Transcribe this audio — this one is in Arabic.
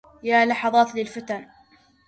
يا لحظات للفتن